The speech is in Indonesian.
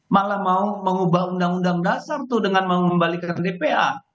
malah mau mengubah undang undang dasar tuh dengan mengembalikan dpa